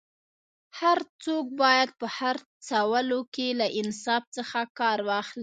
هر څوک باید په خرڅولو کي له انصاف څخه کار واخلي